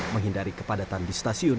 menghindari kepadatan di stasiun